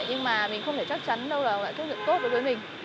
nhưng mà mình không thể chắc chắn đâu là thuốc nhuộm tốt với mình